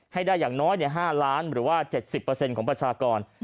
ให้ได้อย่างน้อยห้าร้านหรือว่าเจ็ดสิบเปอร์เซ็นต์ของประชากร